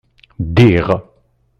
Ddiɣ.